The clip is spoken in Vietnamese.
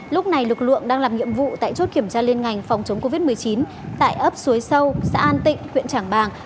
lúc này lực lượng đang làm nhiệm vụ tại chốt kiểm tra liên ngành phòng chống covid một mươi chín tại ấp suối sâu xã an tịnh huyện trảng bàng